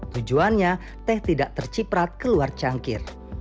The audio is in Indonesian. tujuannya teh tidak terciprat keluar cangkir